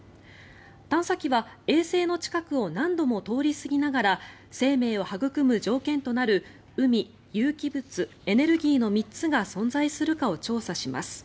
探査機は衛星の近くを何度も通り過ぎながら生命を育む条件となる海、有機物、エネルギーの３つが存在するかを調査します。